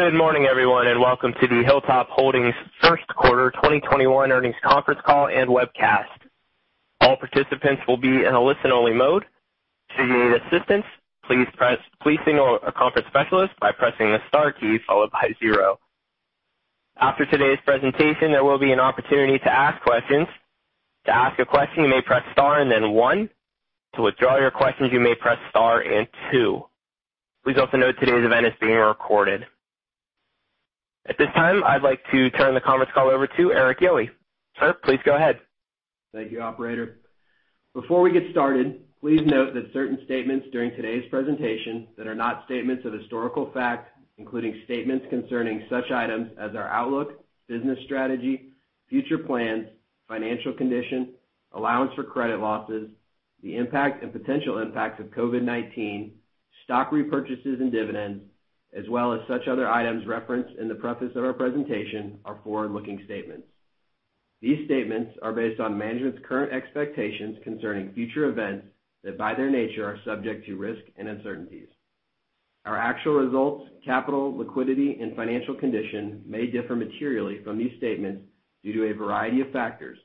Good morning, everyone, and welcome to the Hilltop Holdings first quarter 2021 earnings conference call and webcast. All participants will be in a listen-only mode. Should you need assistance, please signal a conference specialist by pressing a star key followed by zero. After today's presentation, there will be an opportunity to ask questions. To ask a question, you may press star and then one. To withdraw your questions, you may press star and two. Please also note today's event is being recorded. At this time, I'd like to turn the conference call over to Erik Yohe. Sir, please go ahead. Thank you, Operator. Before we get started, please note that certain statements during today's presentation that are not statements of historical fact, including statements concerning such items as our outlook, business strategy, future plans, financial condition, allowance for credit losses, the impact and potential impacts of COVID-19, stock repurchases and dividends, as well as such other items referenced in the preface of our presentation, are forward-looking statements. These statements are based on management's current expectations concerning future events that, by their nature, are subject to risk and uncertainties. Our actual results, capital, liquidity, and financial condition may differ materially from these statements due to a variety of factors,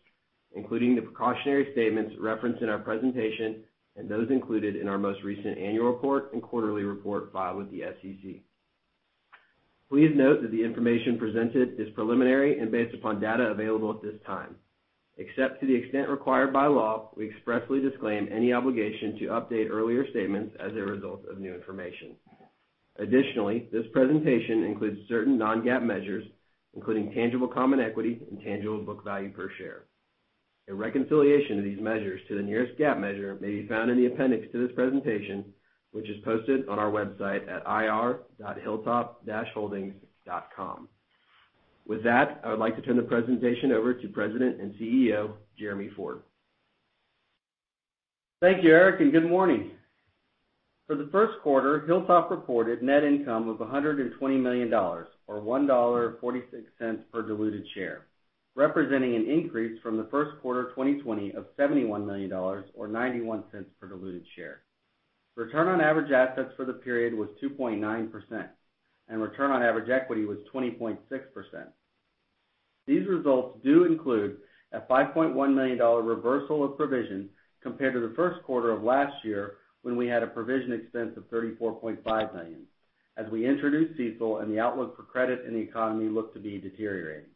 including the precautionary statements referenced in our presentation and those included in our most recent annual report and quarterly report filed with the SEC. Please note that the information presented is preliminary and based upon data available at this time. Except to the extent required by law, we expressly disclaim any obligation to update earlier statements as a result of new information. This presentation includes certain non-GAAP measures, including tangible common equity and tangible book value per share. A reconciliation of these measures to the nearest GAAP measure may be found in the appendix to this presentation, which is posted on our website at ir.hilltop-holdings.com. With that, I would like to turn the presentation over to President and CEO, Jeremy Ford. Thank you, Erik, and good morning. For the first quarter, Hilltop reported net income of $120 million, or $1.46 per diluted share, representing an increase from the first quarter 2020 of $71 million, or $0.91 per diluted share. Return on average assets for the period was 2.9%, and return on average equity was 20.6%. These results do include a $5.1 million reversal of provision compared to the first quarter of last year when we had a provision expense of $34.5 million, as we introduced CECL and the outlook for credit in the economy looked to be deteriorating.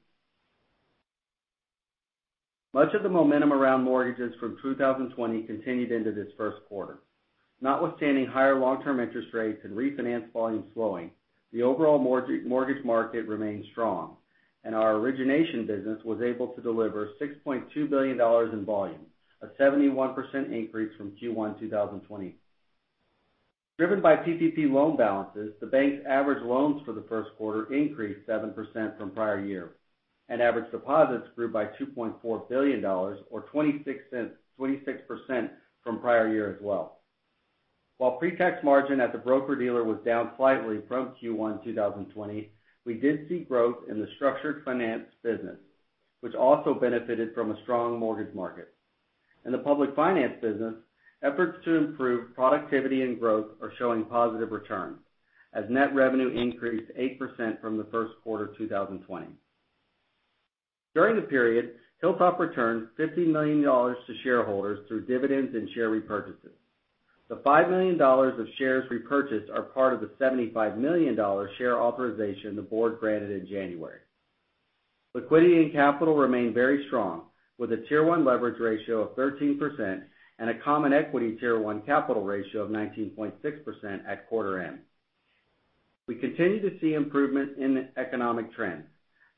Much of the momentum around mortgages from 2020 continued into this first quarter. Notwithstanding higher long-term interest rates and refinance volumes slowing, the overall mortgage market remains strong, and our origination business was able to deliver $6.2 billion in volume, a 71% increase from Q1 2020. Driven by PPP loan balances, the bank's average loans for the first quarter increased 7% from prior year, and average deposits grew by $2.4 billion or 26% from prior year as well. While pre-tax margin at the broker-dealer was down slightly from Q1 2020, we did see growth in the structured finance business, which also benefited from a strong mortgage market. In the public finance business, efforts to improve productivity and growth are showing positive returns as net revenue increased 8% from the first quarter 2020. During the period, Hilltop returned $50 million to shareholders through dividends and share repurchases. The $5 million of shares repurchased are part of the $75 million share authorization the board granted in January. Liquidity and capital remain very strong, with a Tier 1 leverage ratio of 13% and a common equity Tier 1 capital ratio of 19.6% at quarter end. We continue to see improvement in economic trends,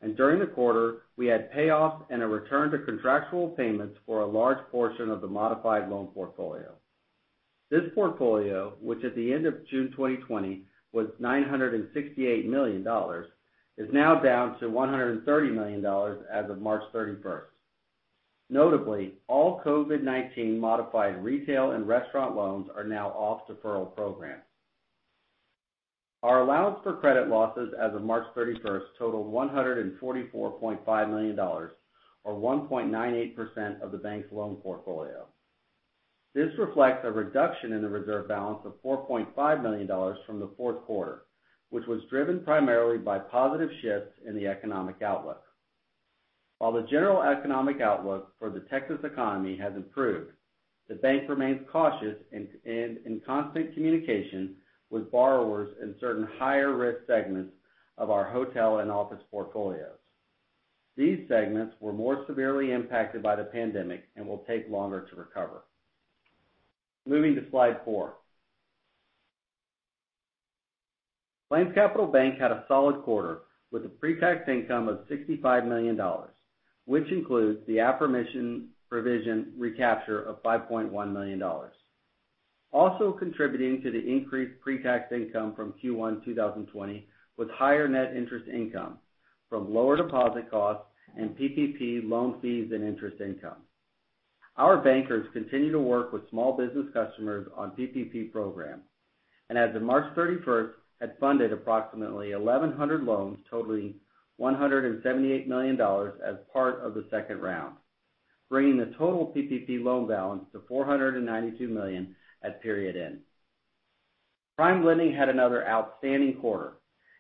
and during the quarter, we had payoffs and a return to contractual payments for a large portion of the modified loan portfolio. This portfolio, which at the end of June 2020 was $968 million, is now down to $130 million as of March 31st. Notably, all COVID-19 modified retail and restaurant loans are now off the deferral program. Our allowance for credit losses as of March 31st totaled $144.5 million, or 1.98% of the bank's loan portfolio. This reflects a reduction in the reserve balance of $4.5 million from the fourth quarter, which was driven primarily by positive shifts in the economic outlook. While the general economic outlook for the Texas economy has improved, the bank remains cautious and in constant communication with borrowers in certain higher-risk segments of our hotel and office portfolios. These segments were more severely impacted by the pandemic and will take longer to recover. Moving to slide four. PlainsCapital Bank had a solid quarter with a pre-tax income of $65 million, which includes the aforementioned provision recapture of $5.1 million. Contributing to the increased pre-tax income from Q1 2020 was higher net interest income from lower deposit costs and PPP loan fees and interest income. Our bankers continue to work with small business customers on PPP programs, and as of March 31st, had funded approximately 1,100 loans totaling $178 million as part of the second round. Bringing the total PPP loan balance to $492 million at period end. PrimeLending had another outstanding quarter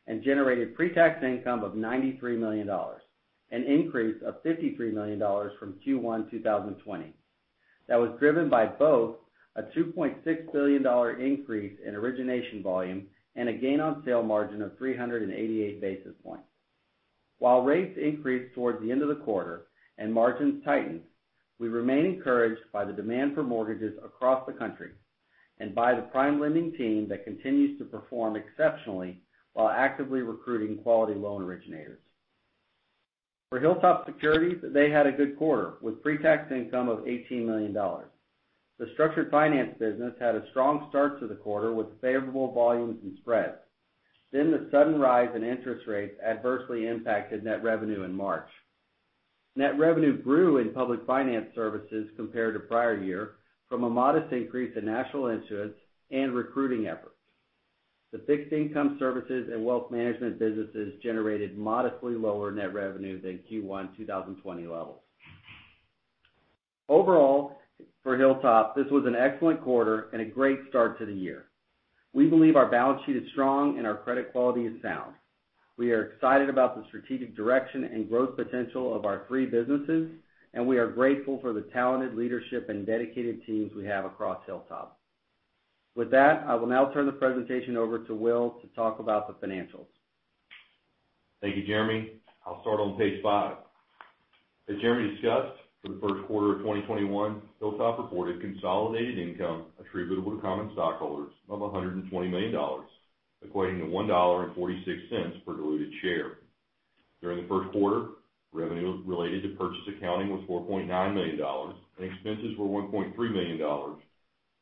and generated pre-tax income of $93 million, an increase of $53 million from Q1 2020, that was driven by both a $2.6 billion increase in origination volume and a gain on sale margin of 388 basis points. While rates increased towards the end of the quarter and margins tightened, we remain encouraged by the demand for mortgages across the country, and by the PrimeLending team that continues to perform exceptionally while actively recruiting quality loan originators. For HilltopSecurities, they had a good quarter, with pre-tax income of $18 million. The structured finance business had a strong start to the quarter with favorable volumes and spreads. The sudden rise in interest rates adversely impacted net revenue in March. Net revenue grew in public finance services compared to prior year from a modest increase in national issuance and recruiting efforts. The fixed income services and wealth management businesses generated modestly lower net revenue than Q1 2020 levels. Overall, for Hilltop, this was an excellent quarter and a great start to the year. We believe our balance sheet is strong and our credit quality is sound. We are excited about the strategic direction and growth potential of our three businesses, and we are grateful for the talented leadership and dedicated teams we have across Hilltop. With that, I will now turn the presentation over to Will to talk about the financials. Thank you, Jeremy. I'll start on page five. As Jeremy discussed, for the first quarter of 2021, Hilltop reported consolidated income attributable to common stockholders of $120 million, equating to $1.46 per diluted share. During the first quarter, revenue related to purchase accounting was $4.9 million, and expenses were $1.3 million,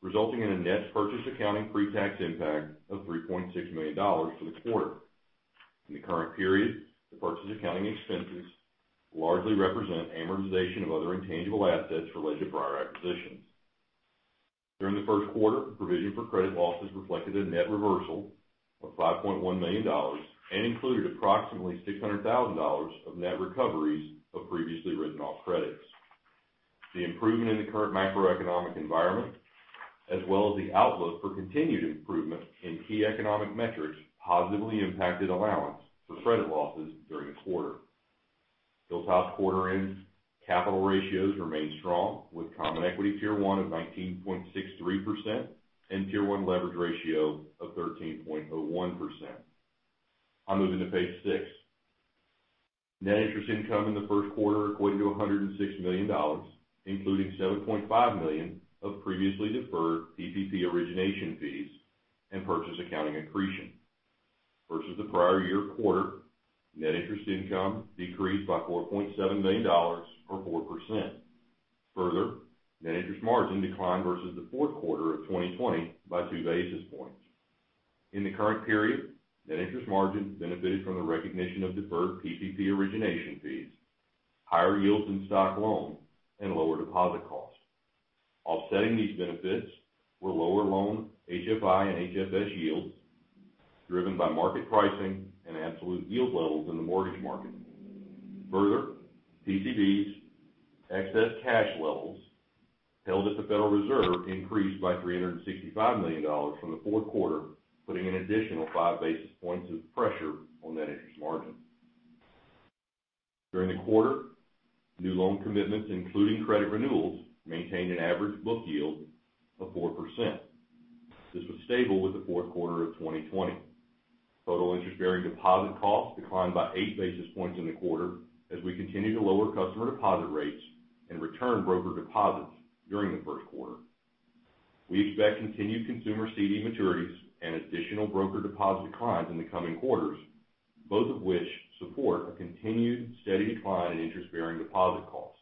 resulting in a net purchase accounting pretax impact of $3.6 million for the quarter. In the current period, the purchase accounting expenses largely represent amortization of other intangible assets related to prior acquisitions. During the first quarter, provision for credit losses reflected a net reversal of $5.1 million and included approximately $600,000 of net recoveries of previously written-off credits. The improvement in the current macroeconomic environment, as well as the outlook for continued improvement in key economic metrics, positively impacted allowance for credit losses during the quarter. Hilltop's quarter-end capital ratios remain strong, with common equity Tier 1 of 19.63% and Tier 1 leverage ratio of 13.01%. I'll move into page six. Net interest income in the first quarter equated to $106 million, including $7.5 million of previously deferred PPP origination fees and purchase accounting accretion. Versus the prior year quarter, net interest income decreased by $4.7 million or 4%. Further, net interest margin declined versus the fourth quarter of 2020 by two basis points. In the current period, net interest margin benefited from the recognition of deferred PPP origination fees, higher yields in stock loan, and lower deposit costs. Offsetting these benefits were lower loan HFI and HFS yields, driven by market pricing and absolute yield levels in the mortgage market. Further, [PCB's] excess cash levels held at the Federal Reserve increased by $365 million from the fourth quarter, putting an additional 5 basis points of pressure on net interest margin. During the quarter, new loan commitments, including credit renewals, maintained an average book yield of 4%. This was stable with the fourth quarter of 2020. Total interest-bearing deposit costs declined by 8 basis points in the quarter, as we continue to lower customer deposit rates and return broker deposits during the first quarter. We expect continued consumer CD maturities and additional broker deposit declines in the coming quarters, both of which support a continued steady decline in interest-bearing deposit costs.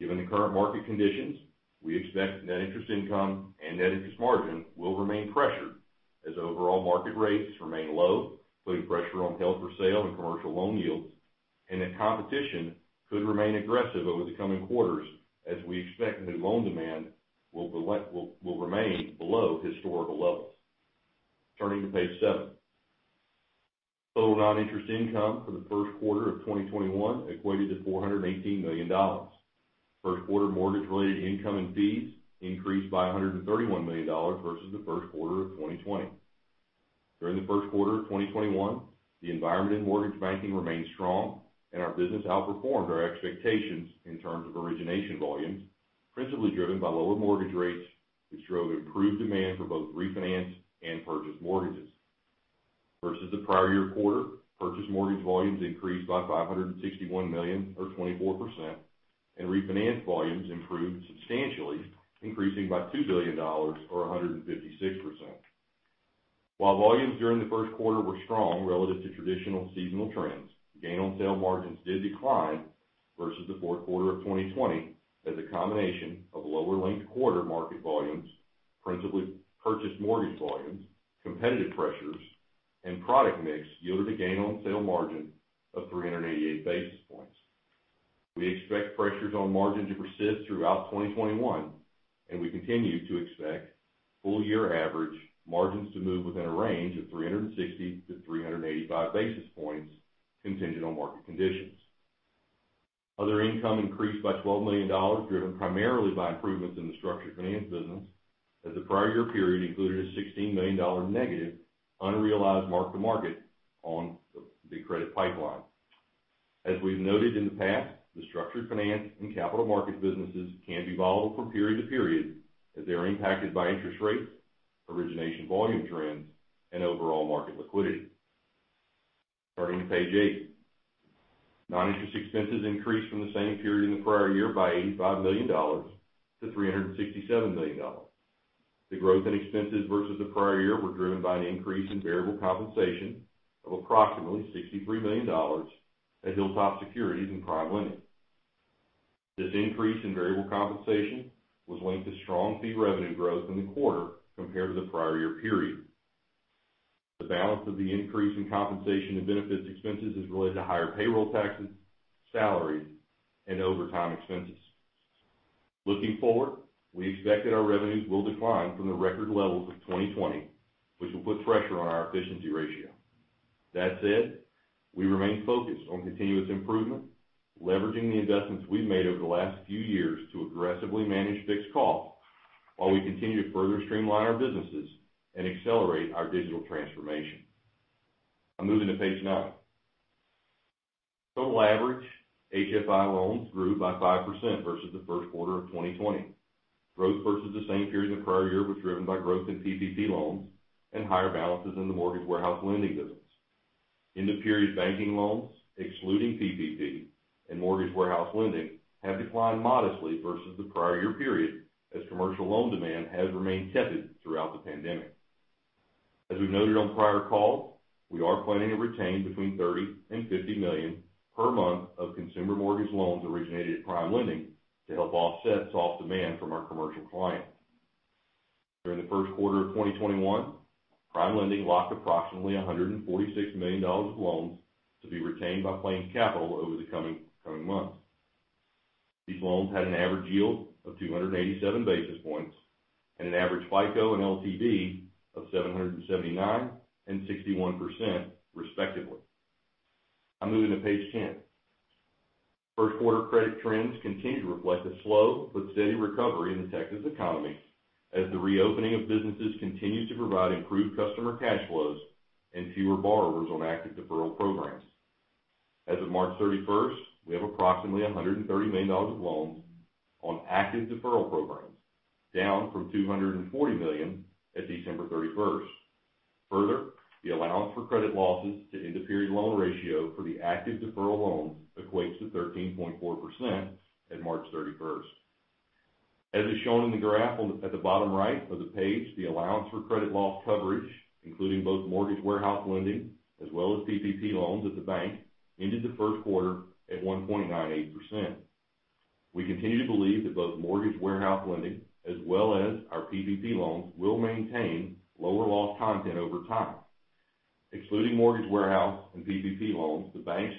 Given the current market conditions, we expect net interest income and net interest margin will remain pressured as overall market rates remain low, putting pressure on held-for-sale and commercial loan yields, and that competition could remain aggressive over the coming quarters as we expect new loan demand will remain below historical levels. Turning to page seven. Total non-interest income for the first quarter of 2021 equated to $418 million. First quarter mortgage-related income and fees increased by $131 million versus the first quarter of 2020. During the first quarter of 2021, the environment in mortgage banking remained strong, and our business outperformed our expectations in terms of origination volumes, principally driven by lower mortgage rates, which drove improved demand for both refinance and purchase mortgages. Versus the prior year quarter, purchase mortgage volumes increased by $561 million or 24%, and refinance volumes improved substantially, increasing by $2 billion or 156%. While volumes during the first quarter were strong relative to traditional seasonal trends, gain on sale margins did decline versus the fourth quarter of 2020 as a combination of lower linked quarter market volumes, principally purchase mortgage volumes, competitive pressures, and product mix yielded a gain on sale margin of 388 basis points. We expect pressures on margin to persist throughout 2021. We continue to expect full year average margins to move within a range of 360 to 385 basis points contingent on market conditions. Other income increased by $12 million, driven primarily by improvements in the structured finance business, as the prior year period included a $16 million negative unrealized mark to market on the credit pipeline. As we've noted in the past, the structured finance and capital markets businesses can be volatile from period to period as they are impacted by interest rates, origination volume trends, and overall market liquidity. Turning to page eight. Non-interest expenses increased from the same period in the prior year by $85 million-$367 million. The growth in expenses versus the prior year were driven by an increase in variable compensation of approximately $63 million at HilltopSecurities and PrimeLending. This increase in variable compensation was linked to strong fee revenue growth in the quarter compared to the prior year period. The balance of the increase in compensation and benefits expenses is related to higher payroll taxes, salaries, and overtime expenses. Looking forward, we expect that our revenues will decline from the record levels of 2020, which will put pressure on our efficiency ratio. That said, we remain focused on continuous improvement, leveraging the investments we've made over the last few years to aggressively manage fixed costs while we continue to further streamline our businesses and accelerate our digital transformation. I'm moving to page nine. Total average HFI loans grew by 5% versus the first quarter of 2020. Growth versus the same period in the prior year was driven by growth in PPP loans and higher balances in the mortgage warehouse lending business. In the period, banking loans, excluding PPP and mortgage warehouse lending, have declined modestly versus the prior year period, as commercial loan demand has remained tepid throughout the pandemic. As we noted on prior calls, we are planning to retain between $30 million and $50 million per month of consumer mortgage loans originated at PrimeLending to help offset soft demand from our commercial clients. During the first quarter of 2021, PrimeLending locked approximately $146 million of loans to be retained by PlainsCapital over the coming months. These loans had an average yield of 287 basis points and an average FICO and LTV of 779 and 61%, respectively. I'm moving to page 10. First quarter credit trends continue to reflect a slow but steady recovery in the Texas economy, as the reopening of businesses continues to provide improved customer cash flows and fewer borrowers on active deferral programs. As of March 31st, we have approximately $130 million of loans on active deferral programs, down from $240 million at December 31st. Further, the allowance for credit losses to end of period loan ratio for the active deferral loans equates to 13.4% at March 31st. As is shown in the graph at the bottom right of the page, the allowance for credit losses coverage, including both mortgage warehouse lending as well as PPP loans at the bank, ended the first quarter at 1.98%. We continue to believe that both mortgage warehouse lending as well as our PPP loans will maintain lower loss content over time. Excluding mortgage warehouse and PPP loans, the bank's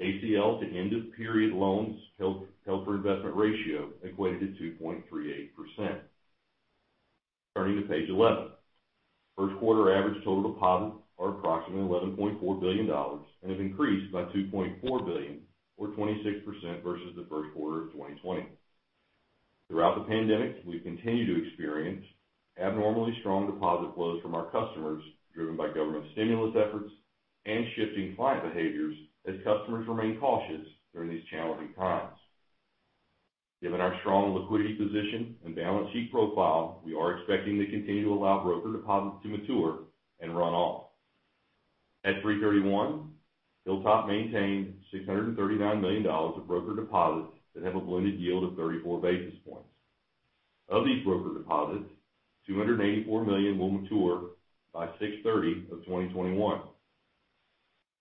ACL to end of period loans held for investment ratio equated to 2.38%. Turning to page 11. First quarter average total deposits are approximately $11.4 billion and have increased by $2.4 billion or 26% versus the first quarter of 2020. Throughout the pandemic, we've continued to experience abnormally strong deposit flows from our customers, driven by government stimulus efforts and shifting client behaviors as customers remain cautious during these challenging times. Given our strong liquidity position and balance sheet profile, we are expecting to continue to allow broker deposits to mature and run off. At 3/31, Hilltop maintained $639 million of broker deposits that have a blended yield of 34 basis points. Of these broker deposits, $284 million will mature by 6/30 of 2021.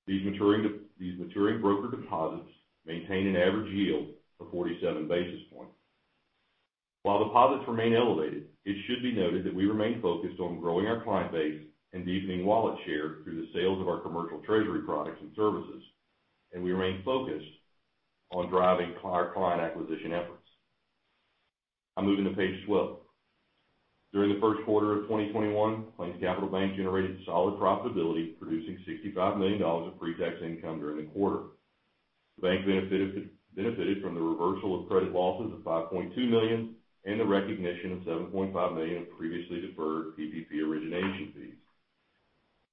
These maturing broker deposits maintain an average yield of 47 basis points. While deposits remain elevated, it should be noted that we remain focused on growing our client base and deepening wallet share through the sales of our commercial treasury products and services, and we remain focused on driving our client acquisition efforts. I'm moving to page 12. During the first quarter of 2021, PlainsCapital Bank generated solid profitability, producing $65 million of pre-tax income during the quarter. The bank benefited from the reversal of credit losses of $5.2 million and the recognition of $7.5 million of previously deferred PPP origination fees.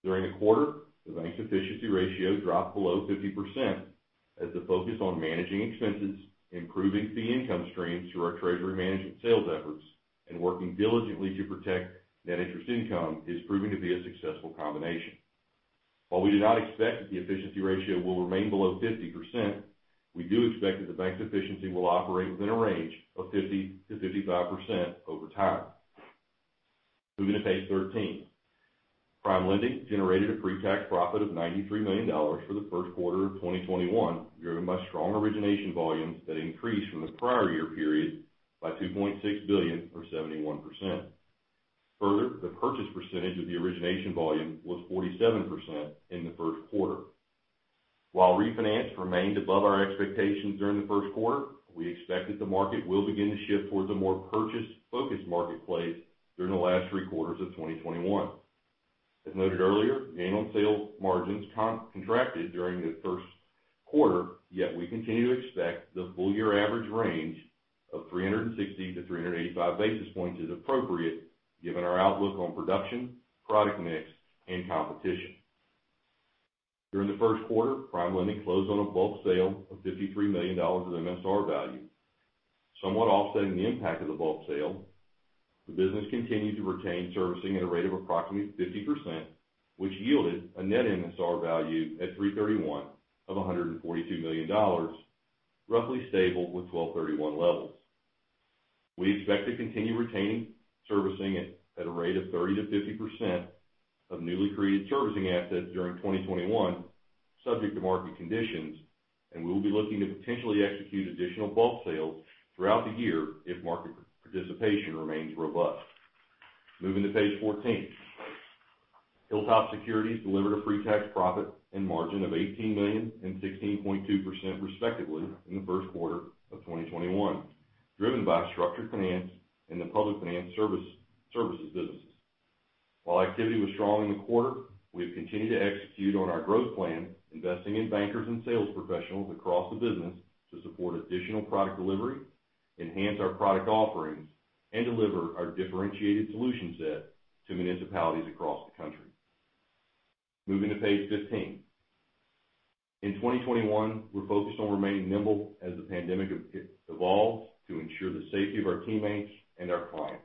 During the quarter, the bank's efficiency ratio dropped below 50% as the focus on managing expenses, improving fee income streams through our treasury management sales efforts, and working diligently to protect net interest income is proving to be a successful combination. While we do not expect that the efficiency ratio will remain below 50%, we do expect that the bank's efficiency will operate within a range of 50%-55% over time. Moving to page 13. PrimeLending generated a pre-tax profit of $93 million for the first quarter of 2021, driven by strong origination volumes that increased from the prior year period by $2.6 billion or 71%. Further, the purchase percentage of the origination volume was 47% in the first quarter. While refinance remained above our expectations during the first quarter, we expect that the market will begin to shift towards a more purchase-focused marketplace during the last three quarters of 2021. As noted earlier, gain on sale margins contracted during the first quarter, yet we continue to expect the full year average range of 360-385 basis points is appropriate given our outlook on production, product mix, and competition. During the first quarter, PrimeLending closed on a bulk sale of $53 million of MSR value. Somewhat offsetting the impact of the bulk sale, the business continued to retain servicing at a rate of approximately 50%, which yielded a net MSR value at 3/31 of $142 million, roughly stable with 12/31 levels. We expect to continue retaining servicing at a rate of 30%-50% of newly created servicing assets during 2021, subject to market conditions, and we'll be looking to potentially execute additional bulk sales throughout the year if market participation remains robust. Moving to page 14. HilltopSecurities delivered a pre-tax profit and margin of $18 million and 16.2% respectively in the first quarter of 2021, driven by structured finance and the public finance services businesses. While activity was strong in the quarter, we have continued to execute on our growth plan, investing in bankers and sales professionals across the business to support additional product delivery, enhance our product offerings, and deliver our differentiated solution set to municipalities across the country. Moving to page 15. In 2021, we're focused on remaining nimble as the pandemic evolves to ensure the safety of our teammates and our clients.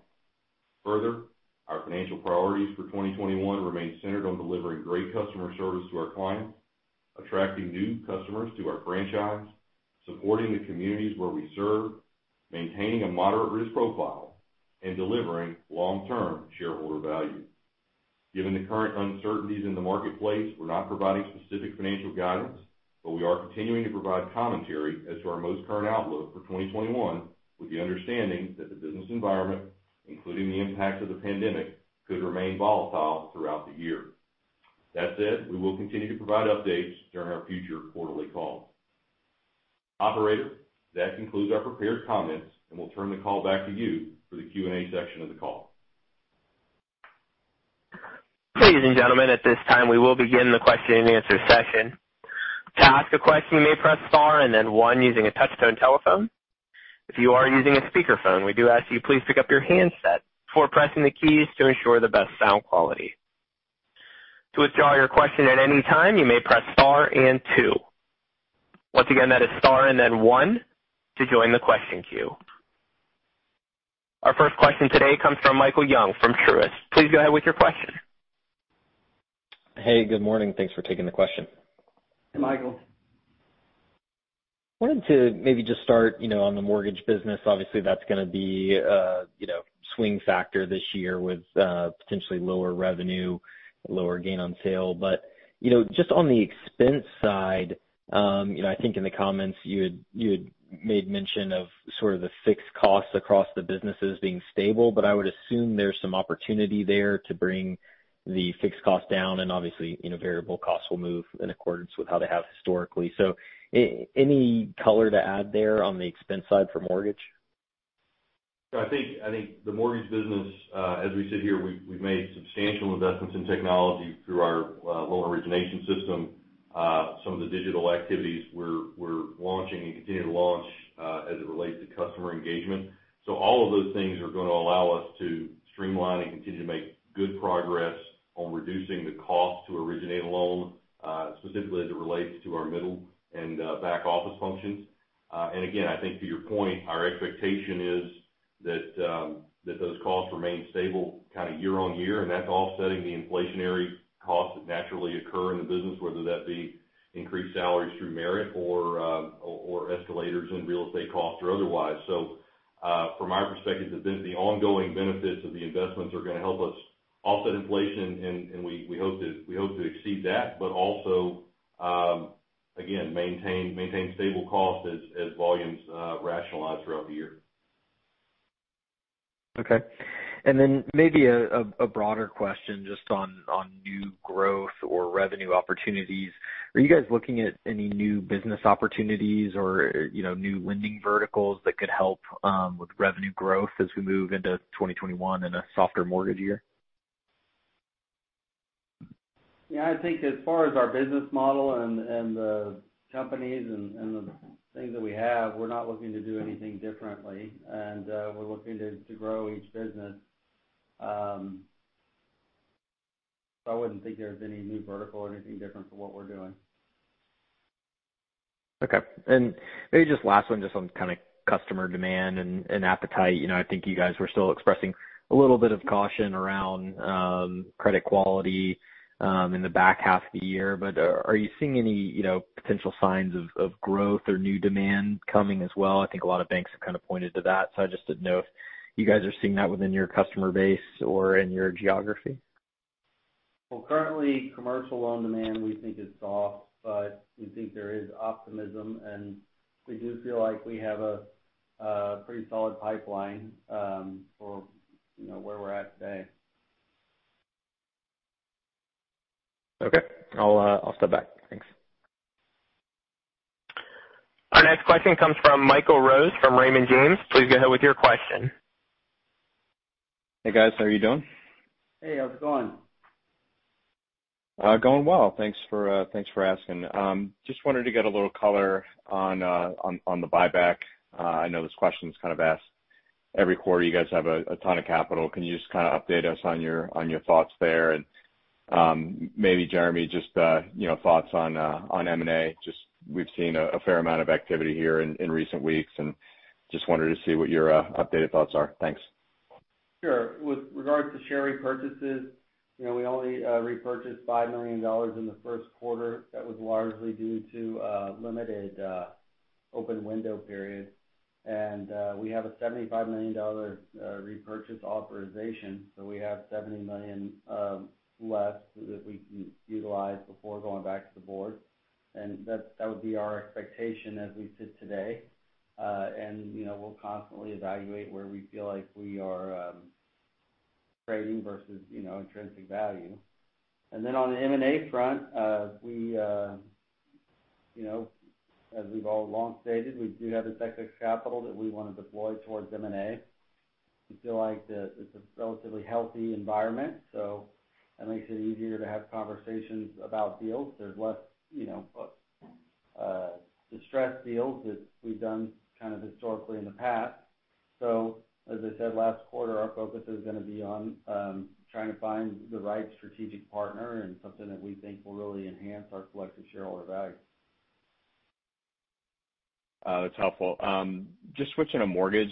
Further, our financial priorities for 2021 remain centered on delivering great customer service to our clients, attracting new customers to our franchise, supporting the communities where we serve, maintaining a moderate risk profile, and delivering long-term shareholder value. Given the current uncertainties in the marketplace, we're not providing specific financial guidance, but we are continuing to provide commentary as to our most current outlook for 2021, with the understanding that the business environment, including the impacts of the pandemic, could remain volatile throughout the year. That said, we will continue to provide updates during our future quarterly calls. Operator, that concludes our prepared comments, and we'll turn the call back to you for the Q&A section of the call. Ladies and gentlemen, at this time, we will begin the question and answer session. To ask a question, you may press star then one using your touch-tone telephone. If you are using a speakerphone, we do ask you please pick up your handset before pressing the keys to ensure the best sound quality. To withdraw your question at any time, you may press star and two. Once again, that is star and then one to join the question queue. Our first question today comes from Michael Young from Truist. Please go ahead with your question. Hey, good morning. Thanks for taking the question. Hey, Michael. Wanted to maybe just start on the mortgage business. Obviously, that's going to be a swing factor this year with potentially lower revenue, lower gain on sale. Just on the expense side, I think in the comments, you had made mention of sort of the fixed costs across the businesses being stable. I would assume there's some opportunity there to bring the fixed cost down and obviously, variable costs will move in accordance with how they have historically. Any color to add there on the expense side for mortgage? I think the mortgage business, as we sit here, we've made substantial investments in technology through our loan origination system. Some of the digital activities we're launching and continue to launch as it relates to customer engagement. All of those things are going to allow us to streamline and continue to make good progress on reducing the cost to originate a loan, specifically as it relates to our middle and back office functions. Again, I think to your point, our expectation is that those costs remain stable kind of year-over-year, and that's offsetting the inflationary costs that naturally occur in the business, whether that be increased salaries through merit or escalators in real estate costs or otherwise. From our perspective, the ongoing benefits of the investments are going to help us offset inflation, and we hope to exceed that, but also, again, maintain stable costs as volumes rationalize throughout the year. Okay. Maybe a broader question just on new growth or revenue opportunities. Are you guys looking at any new business opportunities or new lending verticals that could help with revenue growth as we move into 2021 in a softer mortgage year? Yeah, I think as far as our business model and the companies and the things that we have, we're not looking to do anything differently, and we're looking to grow each business. I wouldn't think there's any new vertical or anything different from what we're doing. Okay. Maybe just last one, just on kind of customer demand and appetite. I think you guys were still expressing a little bit of caution around credit quality in the back half of the year. Are you seeing any potential signs of growth or new demand coming as well? I think a lot of banks have kind of pointed to that. I just didn't know if you guys are seeing that within your customer base or in your geography. Well, currently, commercial loan demand, we think, is soft, but we think there is optimism, and we do feel like we have a pretty solid pipeline for where we're at today. Okay. I'll step back. Thanks. Our next question comes from Michael Rose, from Raymond James. Please go ahead with your question. Hey, guys, how are you doing? Hey, how's it going? Going well. Thanks for asking. Just wanted to get a little color on the buyback. I know this question is kind of asked every quarter. You guys have a ton of capital. Can you just kind of update us on your thoughts there? Maybe Jeremy, just thoughts on M&A. We've seen a fair amount of activity here in recent weeks, and just wanted to see what your updated thoughts are. Thanks. Sure. With regards to share repurchases, we only repurchased $5 million in the first quarter. That was largely due to a limited open window period. We have a $75 million repurchase authorization. We have $70 million less that we can utilize before going back to the board. That would be our expectation as we sit today. We'll constantly evaluate where we feel like we are trading versus intrinsic value. On the M&A front, as we've all along stated, we do have excess capital that we want to deploy towards M&A. We feel like it's a relatively healthy environment, so that makes it easier to have conversations about deals. There's less distressed deals that we've done kind of historically in the past. As I said last quarter, our focus is going to be on trying to find the right strategic partner and something that we think will really enhance our collective shareholder value. That's helpful. Just switching to mortgage.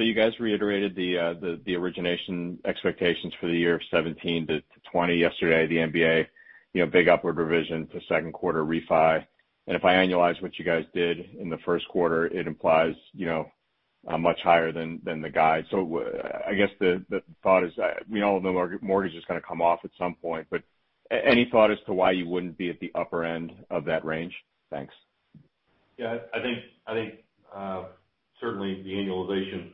You guys reiterated the origination expectations for the year of 2017 to 2020 yesterday at the MBA. Big upward revision for second quarter refi. If I annualize what you guys did in the first quarter, it implies much higher than the guide. I guess the thought is, we all know mortgage is going to come off at some point, but any thought as to why you wouldn't be at the upper end of that range? Thanks. Yeah, I think certainly the annualization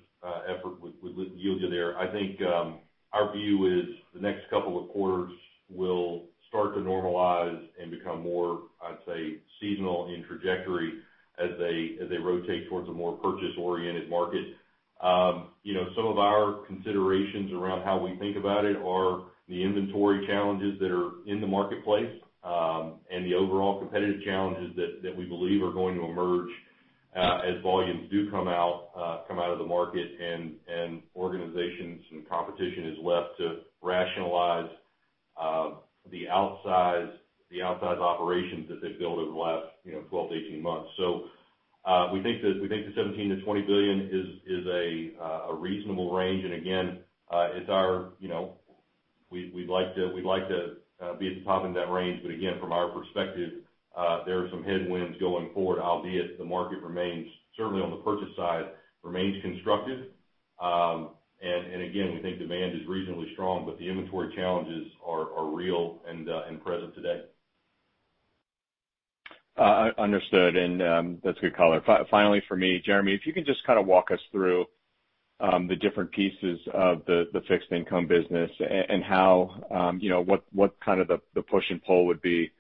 effort would yield you there. I think our view is the next couple of quarters will start to normalize and become more, I'd say, seasonal in trajectory as they rotate towards a more purchase-oriented market. Some of our considerations around how we think about it are the inventory challenges that are in the marketplace, and the overall competitive challenges that we believe are going to emerge as volumes do come out of the market, and organizations and competition is left to rationalize the outsized operations that they've built over the last 12-18 months. We think the $17 billion-$20 billion is a reasonable range, and again, we'd like to be at the top end of that range. From our perspective there are some headwinds going forward, albeit the market remains, certainly on the purchase side, remains constructive. Again, we think demand is reasonably strong, but the inventory challenges are real and present today. Understood, and that's good color. Finally, for me, Jeremy, if you can just kind of walk us through the different pieces of the fixed income business and what kind of the push and pull would be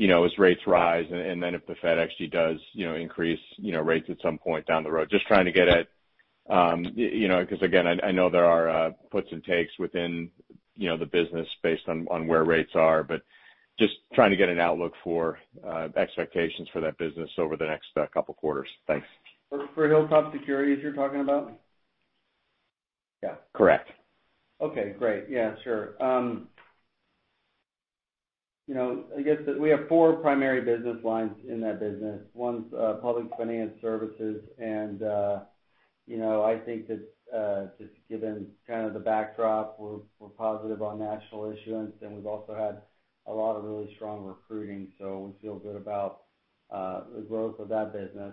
as rates rise, and then if the Fed actually does increase rates at some point down the road. Just trying to get at. Because again, I know there are puts and takes within the business based on where rates are, but just trying to get an outlook for expectations for that business over the next couple of quarters. Thanks. For HilltopSecurities, you're talking about? Yeah, correct. Okay, great. Yeah, sure. I guess we have four primary business lines in that business. One's public finance services, just given kind of the backdrop, we're positive on national issuance. We've also had a lot of really strong recruiting. We feel good about the growth of that business.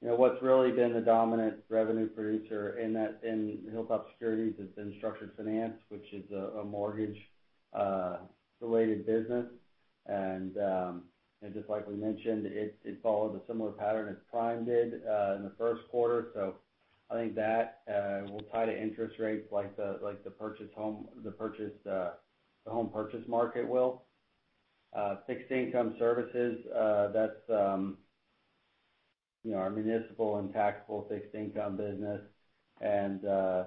What's really been the dominant revenue producer in HilltopSecurities has been structured finance, which is a mortgage-related business. Like we mentioned, it followed a similar pattern as PrimeLending did in the first quarter. I think that will tie to interest rates like the home purchase market will. Fixed income services, that's our municipal and taxable fixed income business. We're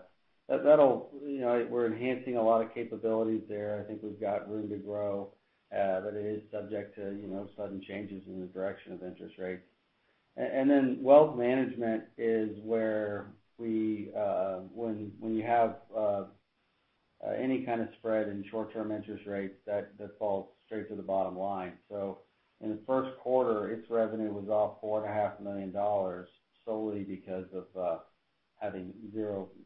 enhancing a lot of capabilities there. I think we've got room to grow. It is subject to sudden changes in the direction of interest rates. Wealth management is where when you have any kind of spread in short-term interest rates, that falls straight to the bottom line. In the first quarter, its revenue was off $4.5 million solely because of having 0%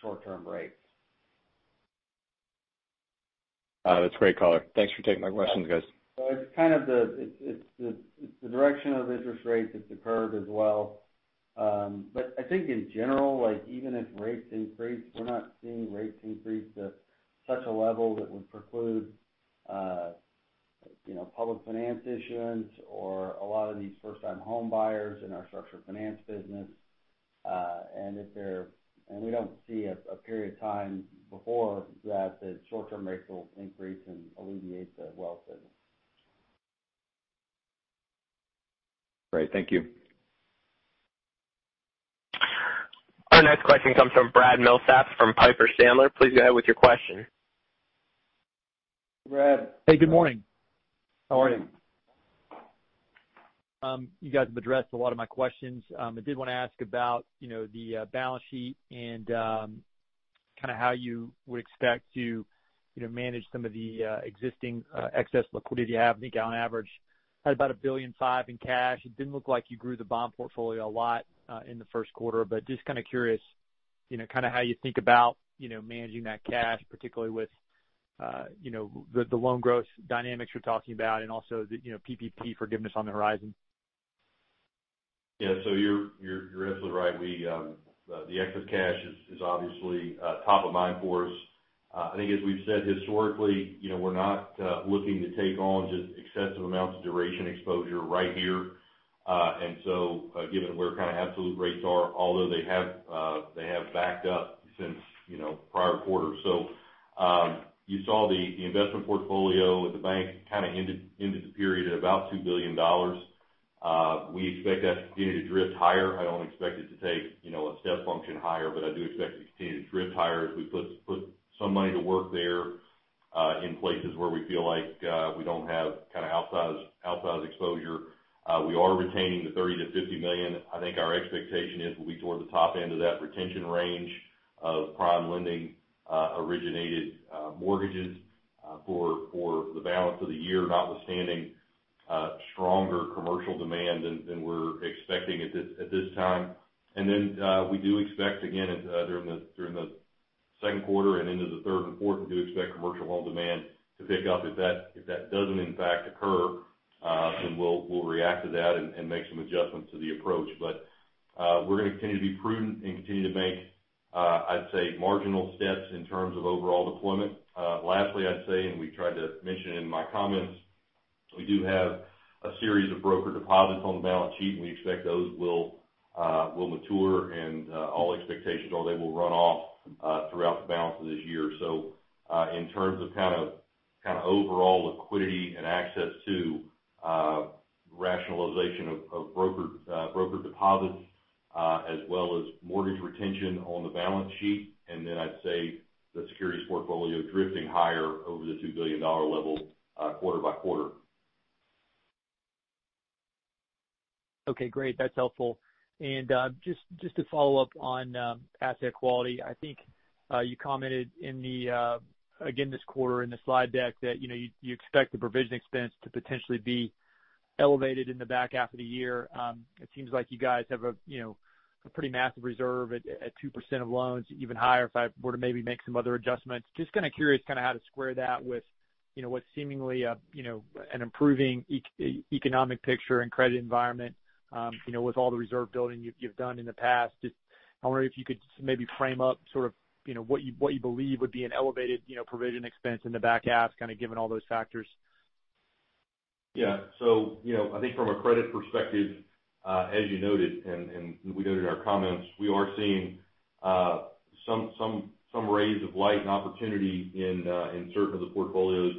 short-term rates. That's great color. Thanks for taking my questions, guys. It's the direction of interest rates. It's the curve as well. I think in general, even if rates increase, we're not seeing rates increase to such a level that would preclude, public finance issuance or a lot of these first-time home buyers in our structured finance business. We don't see a period of time before that the short-term rates will increase and alleviate the wealth services. Great. Thank you. Our next question comes from Brad Milsaps from Piper Sandler. Please go ahead with your question. Brad. Hey, good morning. How are you? You guys have addressed a lot of my questions. I did want to ask about the balance sheet and how you would expect to manage some of the existing excess liquidity you have. I think on average, had about $1.5 billion in cash. It didn't look like you grew the bond portfolio a lot in the first quarter, just kind of curious, how you think about managing that cash, particularly with the loan growth dynamics you're talking about and also the PPP forgiveness on the horizon. You're absolutely right. The excess cash is obviously top of mind for us. I think as we've said historically, we're not looking to take on just excessive amounts of duration exposure right here. Given where kind of absolute rates are, although they have backed up since prior quarters. You saw the investment portfolio at the bank kind of ended the period at about $2 billion. We expect that to continue to drift higher. I don't expect it to take a step function higher, but I do expect it to continue to drift higher as we put some money to work there, in places where we feel like we don't have outsized exposure. We are retaining the $30 million-$50 million. I think our expectation is we'll be toward the top end of that retention range of PrimeLending originated mortgages for the balance of the year, notwithstanding stronger commercial demand than we're expecting at this time. We do expect, again, during the second quarter and into the third and fourth, we do expect commercial loan demand to pick up. If that doesn't in fact occur, then we'll react to that and make some adjustments to the approach. We're going to continue to be prudent and continue to make, I'd say, marginal steps in terms of overall deployment. Lastly, I'd say, and we tried to mention in my comments, we do have a series of broker deposits on the balance sheet, and we expect those will mature and all expectations are they will run off throughout the balance of this year. In terms of overall liquidity and access to rationalization of broker deposits, as well as mortgage retention on the balance sheet, and then I'd say the securities portfolio drifting higher over the $2 billion level quarter by quarter. Okay, great. That's helpful. Just to follow up on asset quality, I think you commented again this quarter in the slide deck that you expect the provision expense to potentially be elevated in the back half of the year. It seems like you guys have a pretty massive reserve at 2% of loans, even higher if I were to maybe make some other adjustments. Just kind of curious how to square that with what seemingly an improving economic picture and credit environment, with all the reserve building you've done in the past. Just, I wonder if you could maybe frame up sort of, what you believe would be an elevated provision expense in the back half, kind of given all those factors. I think from a credit perspective, as you noted, and we noted in our comments, we are seeing some rays of light and opportunity in certain of the portfolios,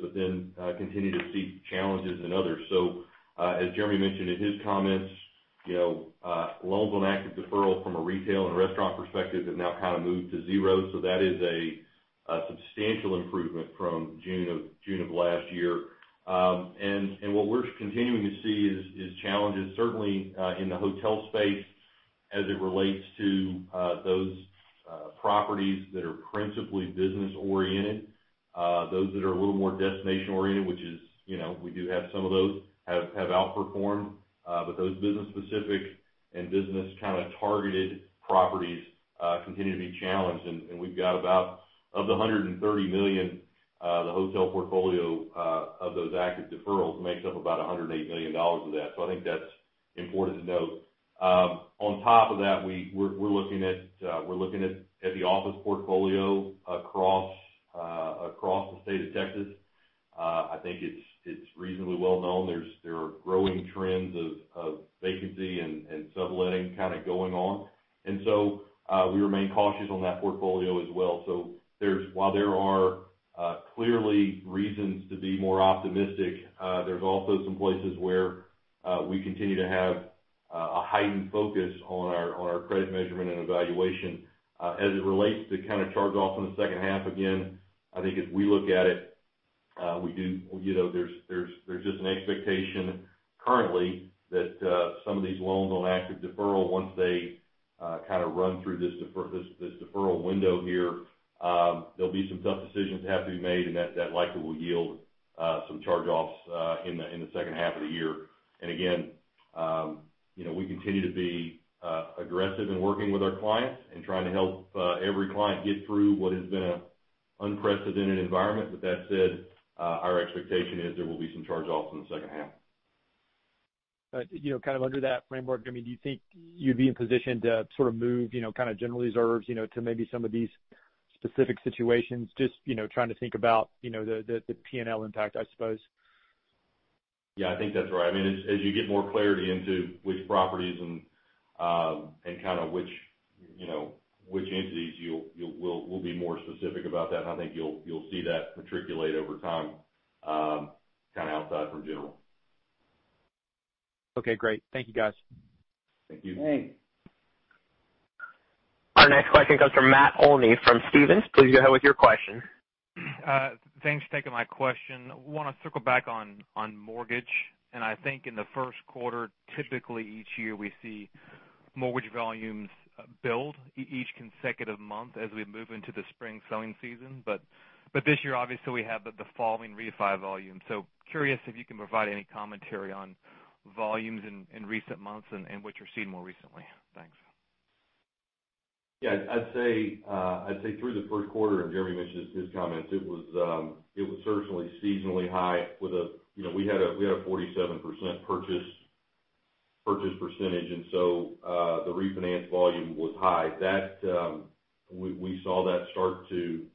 continue to see challenges in others. As Jeremy mentioned in his comments, loans on active deferral from a retail and restaurant perspective have now kind of moved to zero. That is a substantial improvement from June of last year. What we're continuing to see is challenges certainly in the hotel space as it relates to those properties that are principally business-oriented. Those that are a little more destination-oriented, which is, we do have some of those, have outperformed. Those business-specific and business kind of targeted properties continue to be challenged. We've got about, of the $130 million, the hotel portfolio, of those active deferrals makes up about $108 million of that. I think that's important to note. On top of that, we're looking at the office portfolio across the state of Texas. I think it's reasonably well known. There are growing trends of vacancy and subletting kind of going on. We remain cautious on that portfolio as well. While there are clearly reasons to be more optimistic, there's also some places where we continue to have a heightened focus on our credit measurement and evaluation. As it relates to kind of charge-offs in the second half, again, I think as we look at it, there's just an expectation currently that some of these loans on active deferral, once they kind of run through this deferral window here, there'll be some tough decisions that have to be made, and that likely will yield some charge-offs in the second half of the year. Again, we continue to be aggressive in working with our clients and trying to help every client get through what has been an unprecedented environment. With that said, our expectation is there will be some charge-offs in the second half. Kind of under that framework, do you think you'd be in position to sort of move kind of general reserves to maybe some of these specific situations? Just trying to think about the P&L impact, I suppose. Yeah, I think that's right. As you get more clarity into which properties and kind of which entities, we'll be more specific about that, and I think you'll see that matriculate over time kind of outside from general. Okay, great. Thank you, guys. Thank you. Thanks. Our next question comes from Matt Olney from Stephens. Please go ahead with your question. Thanks for taking my question. Want to circle back on mortgage, and I think in the first quarter, typically each year, we see mortgage volumes build each consecutive month as we move into the spring selling season. This year, obviously, we have the falling refi volume. Curious if you can provide any commentary on volumes in recent months and what you're seeing more recently. Thanks. Yeah, I'd say through the first quarter, and Jeremy mentioned this in his comments, it was certainly seasonally high. We had a 47% purchase percentage, and so, the refinance volume was high. We saw that start to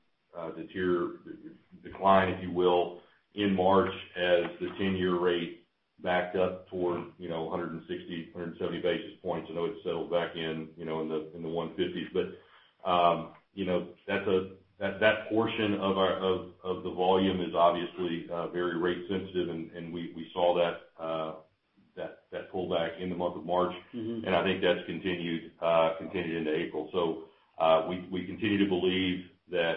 decline, if you will, in March as the 10-year rate backed up toward 160, 170 basis points. I know it settled back in the 150s. That portion of the volume is obviously very rate sensitive, and we saw that pullback in the month of March. I think that's continued into April. We continue to believe that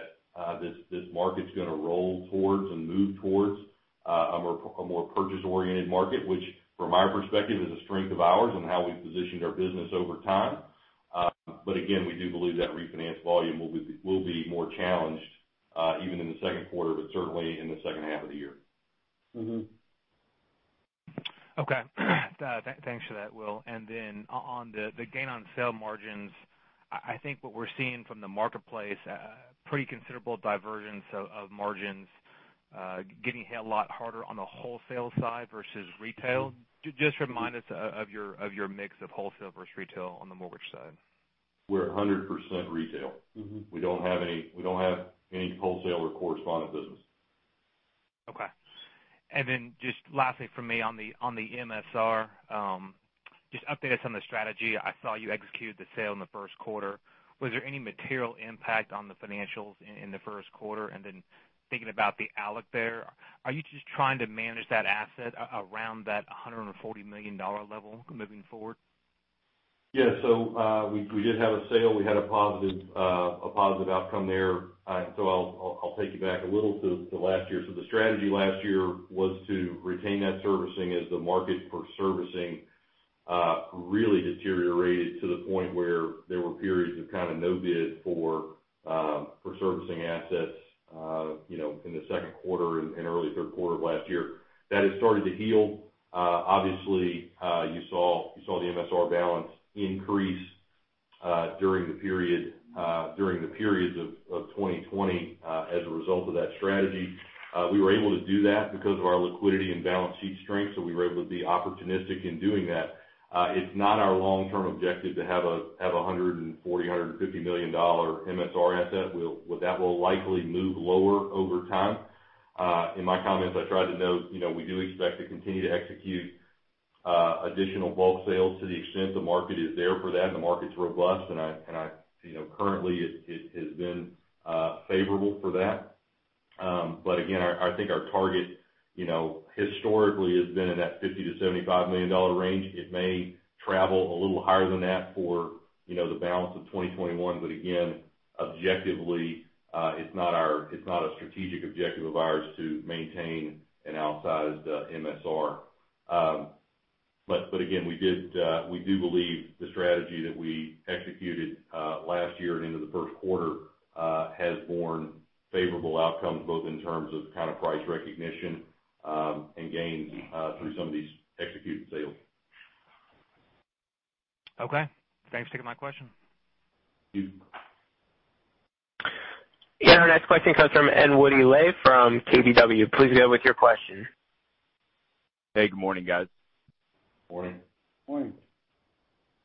this market's going to roll towards and move towards a more purchase-oriented market, which from our perspective is a strength of ours and how we've positioned our business over time. Again, we do believe that refinance volume will be more challenged even in the second quarter, but certainly in the second half of the year. Okay. Thanks for that, Will. On the gain on sale margins, I think what we're seeing from the marketplace, a pretty considerable divergence of margins getting hit a lot harder on the wholesale side versus retail. Just remind us of your mix of wholesale versus retail on the mortgage side. We're 100% retail. We don't have any wholesale or correspondent business. Okay. Just lastly from me on the MSR, just update us on the strategy. I saw you executed the sale in the first quarter. Was there any material impact on the financials in the first quarter? Thinking about the balance there, are you just trying to manage that asset around that $140 million level moving forward? We did have a sale. We had a positive outcome there. I'll take you back a little to last year. The strategy last year was to retain that servicing as the market for servicing really deteriorated to the point where there were periods of kind of no bid for servicing assets in the second quarter and early third quarter of last year. That has started to heal. Obviously, you saw the MSR balance increase during the periods of 2020 as a result of that strategy. We were able to do that because of our liquidity and balance sheet strength, we were able to be opportunistic in doing that. It's not our long-term objective to have a $140, $150 million MSR asset. That will likely move lower over time. In my comments, I tried to note, we do expect to continue to execute additional bulk sales to the extent the market is there for that and the market's robust. Currently, it has been favorable for that. Again, I think our target historically has been in that $50 million-$75 million range. It may travel a little higher than that for the balance of 2021. Again, objectively, it's not a strategic objective of ours to maintain an outsized MSR. Again, we do believe the strategy that we executed last year and into the first quarter has borne favorable outcomes, both in terms of kind of price recognition and gains through some of these executed sales. Okay. Thanks for taking my question. Thank you. Yeah, our next question comes from Woody Lay from KBW. Please go ahead with your question. Hey, good morning, guys. Morning. Morning.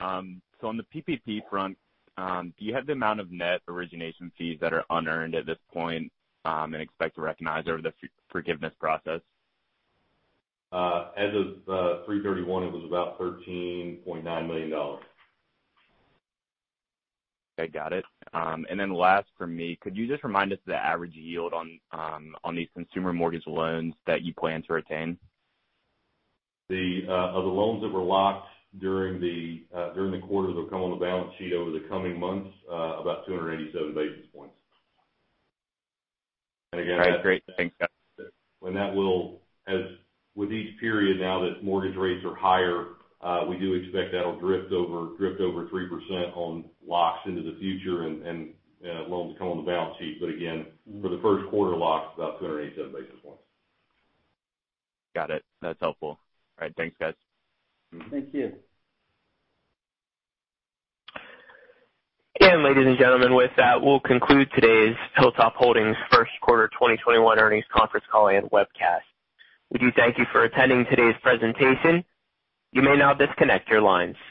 On the PPP front, do you have the amount of net origination fees that are unearned at this point and expect to recognize over the forgiveness process? As of 3/31, it was about $13.9 million. Okay, got it. Last for me, could you just remind us the average yield on these consumer mortgage loans that you plan to retain? The loans that were locked during the quarter that'll come on the balance sheet over the coming months, about 287 basis points. All right, great. Thanks, guys. That will, with each period now that mortgage rates are higher, we do expect that will drift over 3% on locks into the future and loans that come on the balance sheet. Again, for the first quarter locks, about 287 basis points. Got it. That's helpful. All right. Thanks, guys. Thank you. Ladies and gentlemen, with that, we'll conclude today's Hilltop Holdings First Quarter 2021 earnings conference call and webcast. We do thank you for attending today's presentation.